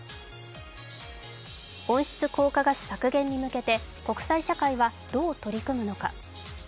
温室効果ガス削減に向けて国際社会はどう取り組むのか。